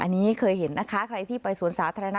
อันนี้เคยเห็นนะคะใครที่ไปสวนสาธารณะ